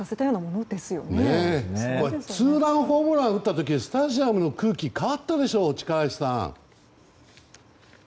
力石さんツーランホームランを打った時にスタジアムの空気変わったでしょう？